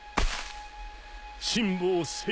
辛抱せいよ